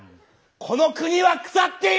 この国は腐っている！」。